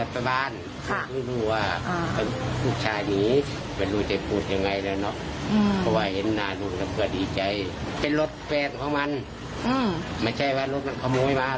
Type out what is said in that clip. เป็นรถแฟนเขามันไม่ใช่ว่ารถนั้นขโมยหามา